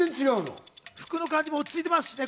服の感じも落ち着いてますからね。